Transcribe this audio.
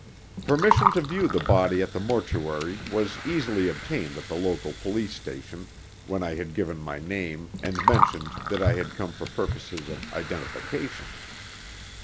Permission to view the body at the mortuary was easily obtained at the local police station, when I had given my name, and mentioned that I had come for purposes of identification.